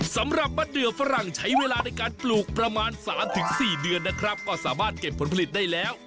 สำหรับมะเดือฝรั่งใช้เวลาในการปลูกประมาณ๓๔เดือนนะครับก็สามารถเก็บผลผลิตได้แล้ว